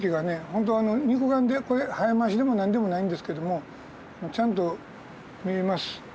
ほんと肉眼でこれ早回しでも何でもないんですけどもちゃんと見えます。